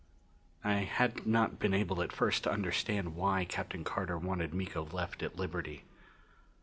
X I had not been able at first to understand why Captain Carter wanted Miko left at liberty.